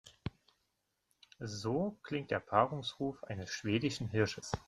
So klingt der Paarungsruf eines schwedischen Hirsches.